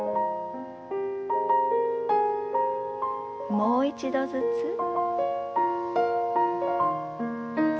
もう一度ずつ。